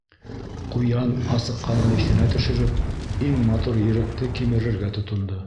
Ҡуян, асыҡҡанын иҫенә төшөрөп, иң матур еректе кимерергә тотондо.